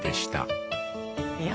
いや。